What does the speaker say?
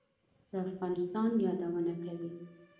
د افغانستان یادونه کوي.